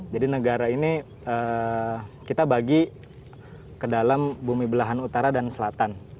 jadi negara ini kita bagi ke dalam bumi belahan utara dan selatan